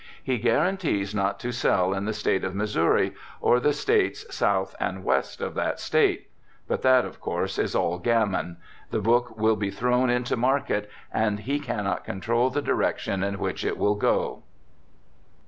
He guarantees not to sell in the state of Missouri, or the states south and west of that state. But that, of course, is all gammon. The book will be thrown into market, and he cannot control the direction in which it will go.'